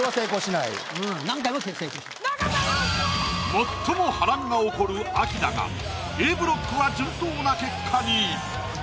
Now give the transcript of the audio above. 最も波乱が起こる秋だがＡブロックは順当な結果に。